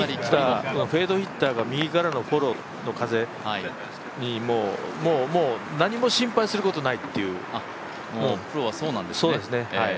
フェードヒッターが右からのフォローの風もう何も心配することないっていう。